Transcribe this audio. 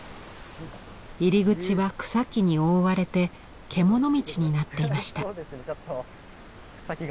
入り口は草木に覆われて獣道になっていました。